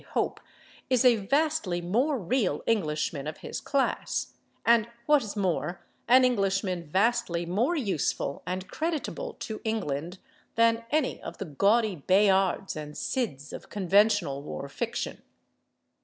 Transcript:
Hoape is a vastly more real Englishman of his class, and, what is more, an Englishman vastly more useful and creditable to England, than any of the gaudy Bayards and Cids of conventional war fiction.